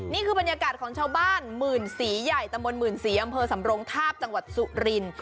นี่คือบรรยากาศของชาวบ้านหมื่นศรีใหญ่ตำบลหมื่นศรีอำเภอสำรงทาบจังหวัดสุรินทร์